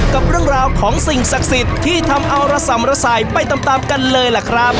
กับเรื่องราวของสิ่งศักดิ์สิทธิ์ที่ทำเอาระสำระสายไปตามกันเลยล่ะครับ